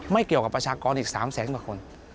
ไม่เกี่ยวกับประชากรอีก๓แสนกว่าคน